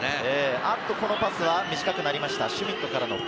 このパスは短くなりました。